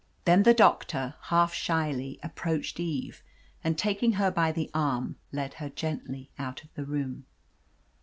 Then the doctor, half shyly, approached Eve, and taking her by the arm, led her gently out of the room.